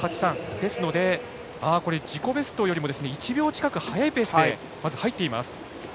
ですので、自己ベストよりも１秒近く速いペースで入っています。